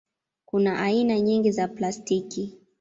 Kuna aina nyingi za plastiki.